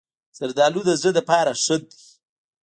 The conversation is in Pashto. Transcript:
زردالو د زړه لپاره ښه ده.